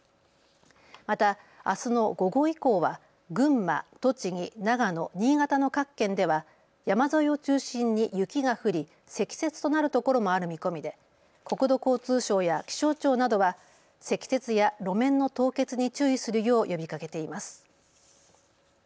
またあすの午後以降は群馬、栃木、長野、新潟の各県では山沿いを中心に雪が降り積雪となる所もある見込みで国土交通省や気象庁などは積雪や路面の凍結に注意するよう呼びかけています。